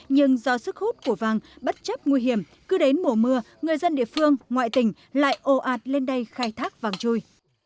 nhưng do sức hút của vàng bất chấp nguy hiểm cứ đến mùa mưa người dân địa phương ngoại tỉnh lại ồ ạt lên đây khai thác vàng chui